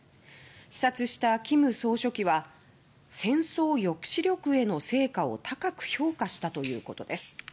視察した金総書記は「戦争抑止力への成果を高く評価した」ということです。